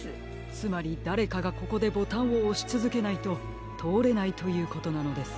つまりだれかがここでボタンをおしつづけないととおれないということなのですね。